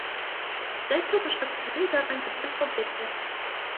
Շենքը մշակութային ժառանգության օբյեկտ է։